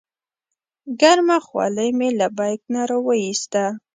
ګرمه خولۍ مې له بیک نه راوویسته.